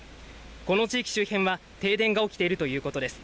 この地域周辺は停電が起きているということです。